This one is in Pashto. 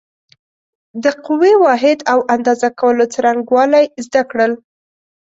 د قوې واحد او اندازه کولو څرنګوالی زده کړل.